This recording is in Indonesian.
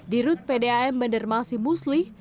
dirut pdam bandar masih musli